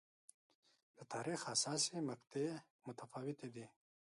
د تاریخ حساسې مقطعې متفاوتې دي.